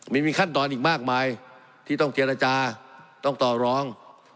มีขั้นตอนอีกมากมายที่ต้องเจรจาต้องต่อรอง